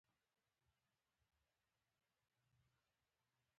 برانډ په پام کې نیسئ؟